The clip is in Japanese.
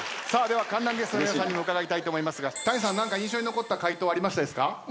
観覧ゲストの皆さんにも伺いたいと思いますが谷さん何か印象に残った回答ありましたですか？